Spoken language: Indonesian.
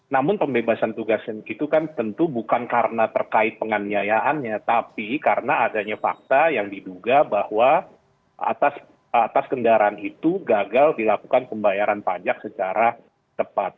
namun pembebasan tugas itu kan tentu bukan karena terkait penganiayaannya tapi karena adanya fakta yang diduga bahwa atas kendaraan itu gagal dilakukan pembayaran pajak secara tepat